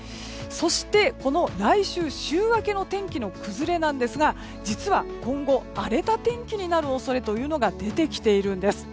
そして、来週週明けの天気の崩れですが実は今後、荒れた天気になる恐れというのが出てきているんです。